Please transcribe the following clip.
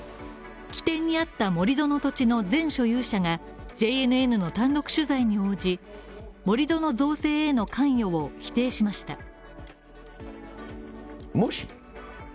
起点にあった盛り土の土地の前所有者がＪＮＮの単独取材に応じ盛り土の造成への関与を否定しました。